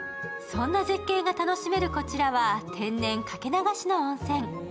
そんな絶海が楽しめるこちらは天然掛け流しの温泉。